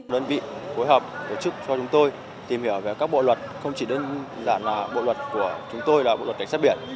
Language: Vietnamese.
đơn vị phối hợp tổ chức cho chúng tôi tìm hiểu về các bộ luật không chỉ đơn giản là bộ luật của chúng tôi là bộ luật cảnh sát biển